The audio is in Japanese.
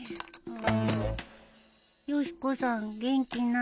よし子さん元気ない。